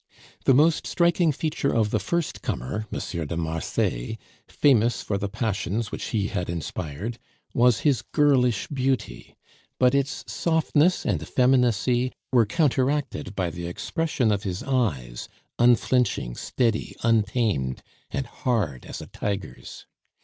The most striking feature of the first comer, M. de Marsay, famous for the passions which he had inspired, was his girlish beauty; but its softness and effeminacy were counteracted by the expression of his eyes, unflinching, steady, untamed, and hard as a tiger's.